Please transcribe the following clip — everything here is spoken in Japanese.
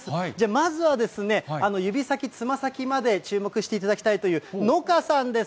まずは指先、つま先まで注目していただきたいという望叶さんです。